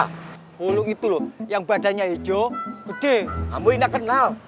huluk itu loh yang badannya hijau gede amboi tidak kenal